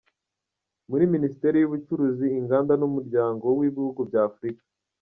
Muri Minisiteri y’Ubucuruzi, Inganda n’Umuryango w’Ibihugu bya Afurika .